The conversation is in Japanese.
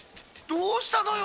どうしたのよ